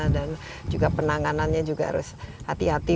dan juga penanganannya juga harus hati hati